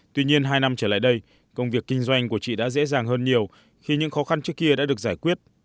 tuy nhiên hai năm trở lại đây công việc kinh doanh của chị đã dễ dàng hơn nhiều khi những khó khăn trước kia đã được giải quyết